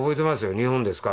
「日本ですか？」